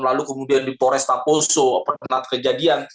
lalu kemudian di polres taposo perkenalan kejadian